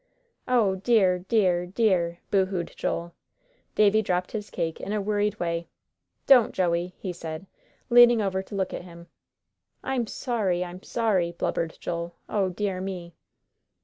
"O dear dear dear," boohooed Joel. Davie dropped his cake in a worried way. "Don't, Joey," he said, leaning over to look at him. "I'm sorry. I'm sorry," blubbered Joel. "O dear me!"